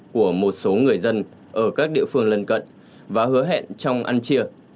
của một số người dân ở các địa phương lân cận và hứa hẹn trong ăn chia